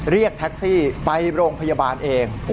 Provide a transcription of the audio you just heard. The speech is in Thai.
เรียกแท็กซี่ไปโรงพยาบาลเอง